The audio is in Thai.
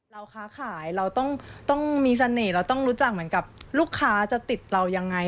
ค้าขายเราต้องมีเสน่ห์เราต้องรู้จักเหมือนกับลูกค้าจะติดเรายังไง